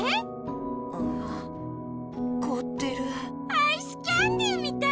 アイスキャンデーみたい！